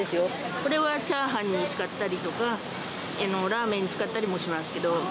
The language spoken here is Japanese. これはチャーハンに使ったりとか、ラーメンに使ったりもしますけど。